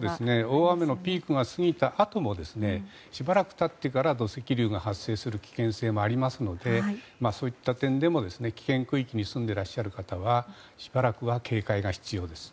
大雨のピークが過ぎたあともしばらく経ってから土石流が発生する危険性もありますのでそういった点でも危険区域に住んでいらっしゃる方はしばらくは警戒が必要です。